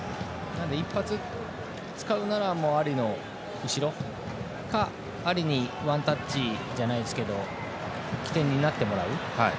一発使うならアリの後ろかアリにワンタッチじゃないですが起点になってもらうと。